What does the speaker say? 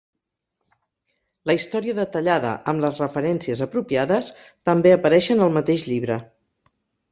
La història detallada, amb les referències apropiades, també apareixen al mateix llibre.